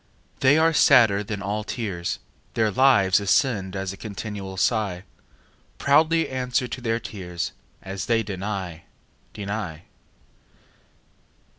They are sadder than all tears; Their lives ascend as a continual sigh. Proudly answer to their tears: As they deny, deny.